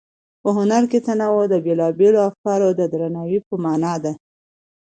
په هنر کې تنوع د بېلابېلو افکارو د درناوي په مانا ده.